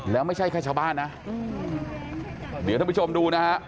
แล้วไม่ใช่แค่ชาวบ้านนะเดี๋ยวท่านผู้ชมดูนะฮะ